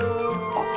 あっ。